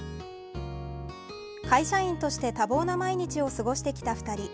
会社員として多忙な毎日を過ごしてきた２人。